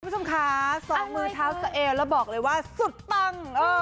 คุณผู้ชมคะสองมือเท้าสะเอวแล้วบอกเลยว่าสุดปัง